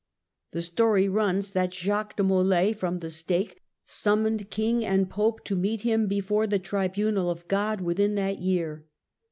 The story runs that Jacques de Molai, from the stake, summoned King and Pope to meet him before the Tribunal of God 'within the year.